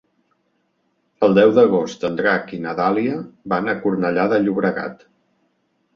El deu d'agost en Drac i na Dàlia van a Cornellà de Llobregat.